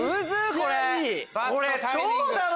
これ。